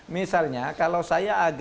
misalnya kalau saya